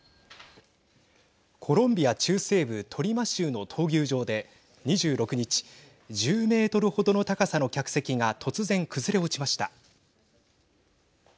コロンビア中西部トリマ州の闘牛場で２６日１０メートルほどの高さの客席が突然、崩れ落ちました。